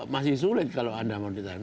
masih sulit kalau anda mau ditanyakan